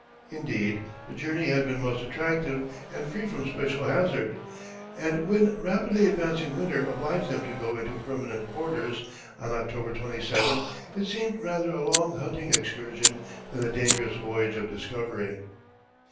Indeed, the journey had been most attractive and free from special hazard, and when rapidly advancing winter obliged them to go into permanent quarters, on October 27th, it seemed rather a long hunting excursion than a dangerous voyage of discovery.